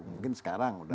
mungkin sekarang sudah